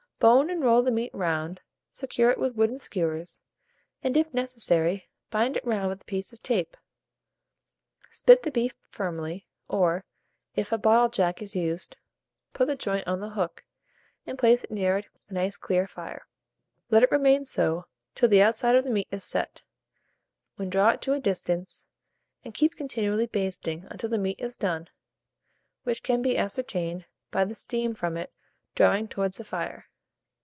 Bone and roll the meat round, secure it with wooden skewers, and, if necessary, bind it round with a piece of tape. Spit the beef firmly, or, if a bottle jack is used, put the joint on the hook, and place it near a nice clear fire. Let it remain so till the outside of the meat is set, when draw it to a distance, and keep continually basting until the meat is done, which can be ascertained by the steam from it drawing towards the fire.